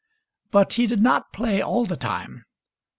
But he did not play all the time.